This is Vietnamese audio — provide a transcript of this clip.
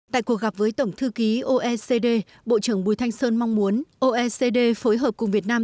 tại cuộc gặp với tổng thư ký oecd bộ trưởng bùi thanh sơn mong muốn oecd phối hợp cùng việt nam